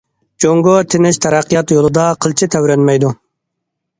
جۇڭگو تىنچ تەرەققىيات يولىدا قىلچە تەۋرەنمەيدۇ.